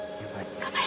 頑張れ！